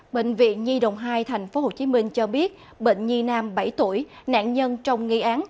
bệnh viện nhi đồng hai tp hcm cho biết bệnh nhi nam bảy tuổi nạn nhân trong nghi án